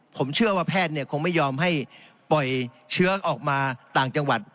ผมเชื่อว่าแพทย์คงไม่ยอมให้ปล่อยเชื้อออกมาต่างจังหวัด